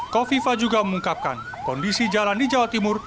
kofifa juga mengungkapkan kondisi jalan di jawa timur